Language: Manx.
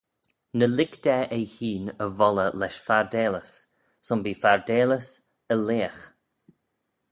"Ny lhig da eh-hene y volley lesh fardalys; son bee fardalys e leagh."